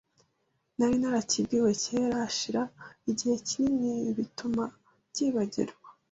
nari narakibwiwe kera hashira igihe kinini bituma mbyibagirwa